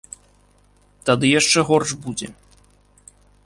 Тады яшчэ горш будзе.